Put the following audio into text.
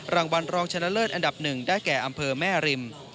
รางวัลรองชนะเลิศอันดับ๑ได้แก่อำเภอแม่ริม